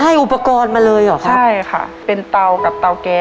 ให้อุปกรณ์มาเลยหรอครับ